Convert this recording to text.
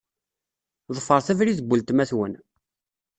Ḍefṛet abrid n weltma-twen.